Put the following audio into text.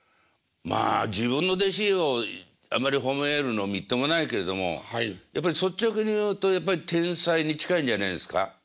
まあ自分の弟子をあんまり褒めるのみっともないけれどもやっぱり率直に言うとやっぱり天才に近いんじゃないですか？